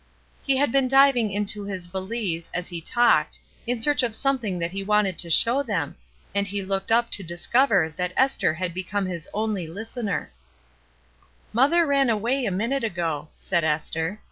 He had been diving into his valise as he talked, in search of something that he wanted to show them, and he looked up to discover that Esther had become his only listener, "Mother ran away a minute ago," said Esther.